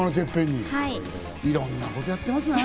いろんなことやってますね。